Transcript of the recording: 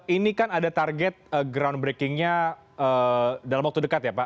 ini kan ada target ground breaking nya dalam waktu dekat ya pak